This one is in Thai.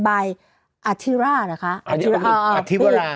อ่าครับ